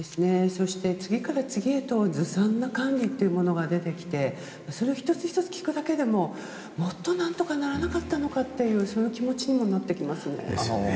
そして、次から次へとずさんな管理というものが出てきてその１つ１つ聞くだけでももっとなんとかならなかったのかというそういう気持ちにもなってきますよね。